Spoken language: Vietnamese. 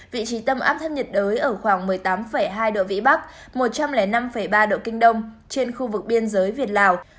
vị trí tâm áp thấp nhiệt đới ở khoảng một mươi tám hai độ vĩ bắc một trăm linh năm ba độ kinh đông trên khu vực biên giới việt lào